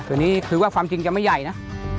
ตัวนี้คือว่าความจริงจะไม่ใหญ่นะ